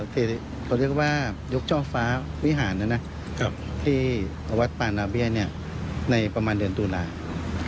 เขาเรียกว่ายกเจ้าฟ้าวิหารนะครับที่วัดปานาเบียนี้ในประมาณเดือนตุลาราค